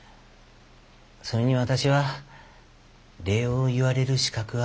それに私は礼を言われる資格はありません。